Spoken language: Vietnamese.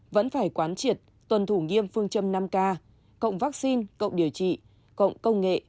vẫn phải quán triệt tuân thủ nghiêm phương châm năm k cộng vaccine cộng điều trị cộng công nghệ